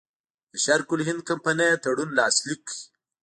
د شرق الهند کمپنۍ تړون لاسلیک کړ.